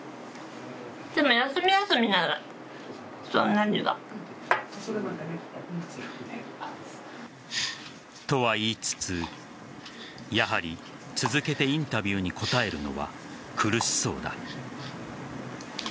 故に私たちの取材にも。とは言いつつ、やはり続けてインタビューに答えるのは苦しそうだ。